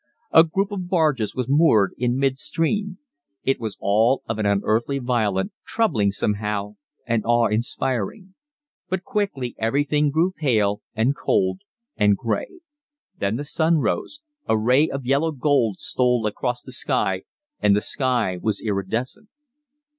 A group of barges was moored in midstream. It was all of an unearthly violet, troubling somehow and awe inspiring; but quickly everything grew pale, and cold, and gray. Then the sun rose, a ray of yellow gold stole across the sky, and the sky was iridescent.